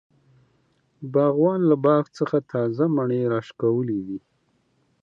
باغوان له باغ څخه تازه مڼی راشکولی دی.